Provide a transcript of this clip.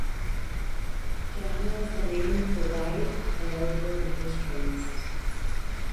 Joanna was the name of the wife of a local industrialist.